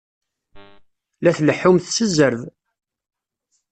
La tleḥḥumt s zzerb!